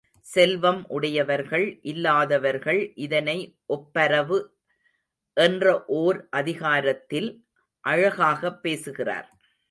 செல்வம் உடையவர்கள் இல்லாதவர்கள் இதனை ஒப்பரவு என்ற ஓர் அதிகாரத்தில் அழகாகப் பேசுகிறார்.